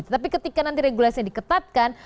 tapi ketika nanti regulasinya diketatkan